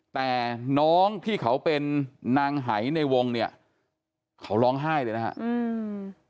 แต่น้องที่เขาเป็นนางหายในวงเนี่ยเขาร้องไห้เลยนะฮะอืม